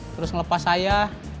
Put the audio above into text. terus ngelepas saya